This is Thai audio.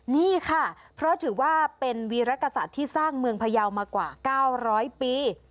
นี่ค่ะเพราะถือว่าเป็นวีรกษัตริย์ที่สร้างเมืองพยาวมากว่า๙๐๐ปี